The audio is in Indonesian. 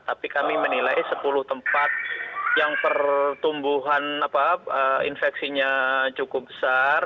tapi kami menilai sepuluh tempat yang pertumbuhan infeksinya cukup besar